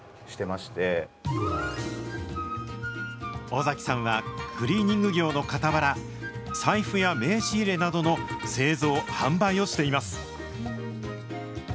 尾崎さんは、クリーニング業のかたわら、財布や名刺入れなどの製造・販売をしています。